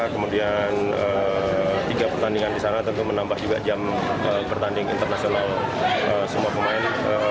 kemudian tiga pertandingan di sana tentu menambah juga jam bertanding internasional semua pemain